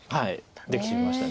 できてきました。